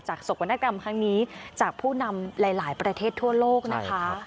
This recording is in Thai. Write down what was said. โศกรณกรรมครั้งนี้จากผู้นำหลายประเทศทั่วโลกนะคะ